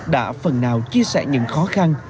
đã phần nào chia sẻ những khó khăn